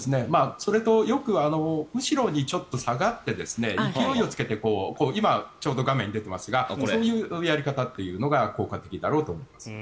それとよく、後ろにちょっと下がって勢いをつけて今、ちょうど画面に出ていますがこういうやり方というのが効果的だろうと思います。